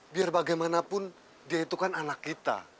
biar bagaimanapun dia itu kan anak kita